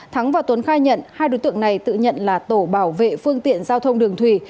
thắng và tuấn khai nhận hai đối tượng này tự nhận là tổ bảo vệ phương tiện giao thông đường thủy